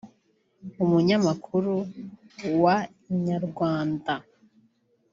umunyamakuru wa Inyarwanda